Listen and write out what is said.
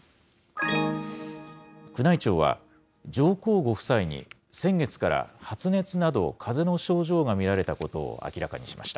宮内庁は、上皇ご夫妻に先月から発熱などかぜの症状が見られたことを明らかにしました。